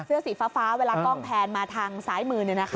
เสื้อสีฟ้าเวลากล้องแผนมาทางสายมือนี่นะครับ